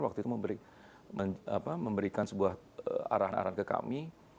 waktu itu memberikan sebuah arahan arahan ke kami